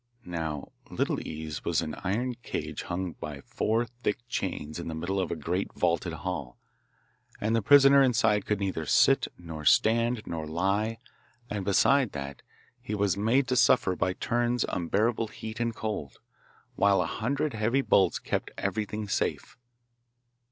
Now Little Ease was an iron cage hung by four thick chains in the middle of a great vaulted hall, and the prisoner inside could neither sit, nor stand, nor lie; and, besides that, he was made to suffer by turns unbearable heat and cold, while a hundred heavy bolts kept everything safe.